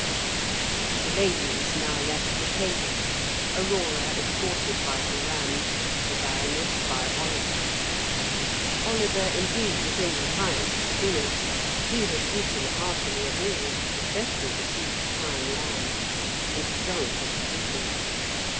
The ladies now left the table, Aurora escorted by Durand, the Baroness by Oliver. Oliver, indeed, was in the highest spirits; he had eaten heartily of all; especially the sweet thyme lamb, and drunk as freely.